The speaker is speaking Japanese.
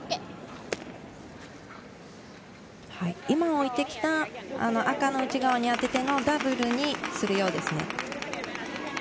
今、置いてきた、赤の内側に当ててのダブルにするようです。